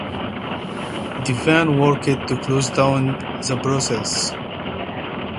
Devane worked to close down the brothels.